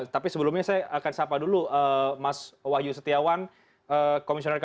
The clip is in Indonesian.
tapi sebelumnya saya akan sapa dulu mas wahyu setiawan komisioner kpk